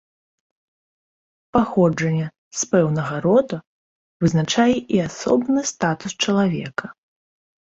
Паходжанне з пэўнага рода вызначае і асобны статус чалавека.